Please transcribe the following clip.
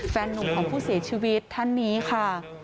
แฟนนุษย์ของผู้เสียชีวิตท่านนี้คะ